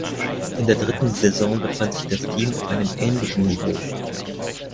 In der dritten Saison befand sich das Team auf einem ähnlichen Niveau.